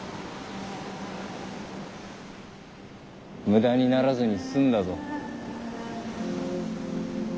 無駄にならずに済んだぞ。